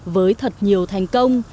với thật nhiều thành công